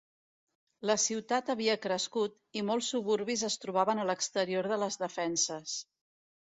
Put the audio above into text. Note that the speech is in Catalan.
La ciutat havia crescut, i molts suburbis es trobaven a l'exterior de les defenses.